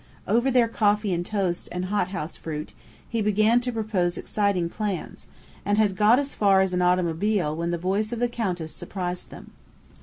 Over their coffee and toast and hot house fruit, he began to propose exciting plans, and had got as far as an automobile when the voice of the Countess surprised them.